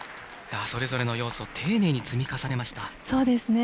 それぞれの要素を丁寧に積み重ねました。